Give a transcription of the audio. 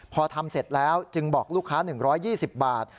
พอทำเสร็จแล้วจึงบอกลูกค้า๑๒๐บาท